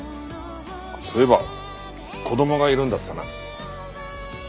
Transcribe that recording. あっそういえば子供がいるんだったな。